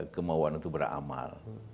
kemauan untuk beramal